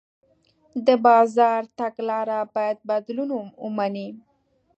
د بازار تګلاره باید بدلون ومني.